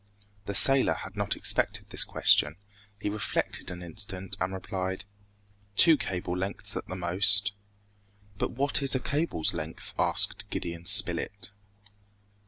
The sailor had not expected this question. He reflected an instant and replied, "Two cables lengths at the most." "But what is a cable's length?" asked Gideon Spilett.